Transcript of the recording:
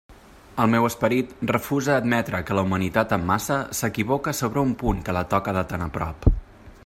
El meu esperit refusa admetre que la humanitat en massa s'equivoque sobre un punt que la toca de tan a prop.